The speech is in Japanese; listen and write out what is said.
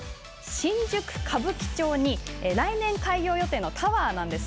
新宿歌舞伎町に来年開業予定のタワーなんです。